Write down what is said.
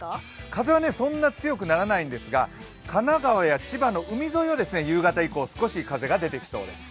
風はそんなに強くならないんですが、神奈川や千葉の海沿いは夕方以降、少し風が出てきそうです。